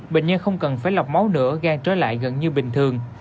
bệnh nhân không cần phải lọc máu nữa gan trở lại gần như bình thường